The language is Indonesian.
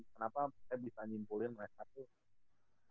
kenapa saya bisa nyimpulin whatsapp tuh